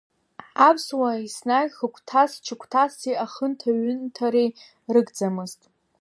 Аԥсуаа енагь хыгәҭас-чыгәҭаси ахынҭа-ҩынҭареи рыгӡамызт.